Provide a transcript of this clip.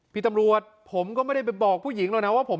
พี่ตำรวจผมก็ไม่ได้ไปบอกผู้หญิงเลยนะว่าผมเป็นตำรวจ